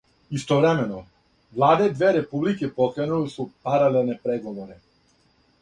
Истовремено, владе две републике покренуле су паралелне преговоре.